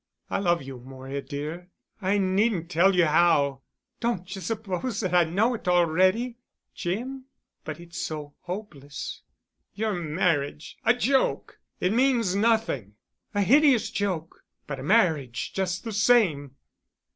"I love you, Moira dear. I needn't tell you how——" "Don't you suppose that I know already, Jim? But it's so hopeless——" "Your marriage—a joke! It means nothing——" "A hideous joke—but a marriage just the same!"